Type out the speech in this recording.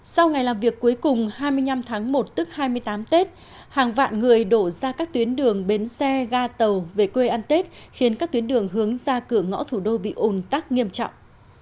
sau ngày làm việc cuối cùng hai mươi năm tháng một tức hai mươi tám tết hàng vạn người đổ ra các tuyến đường bến xe ga tàu về quê ăn tết khiến các tuyến đường hướng ra cửa ngõ thủ đô bị ồn tắc nghiêm trọng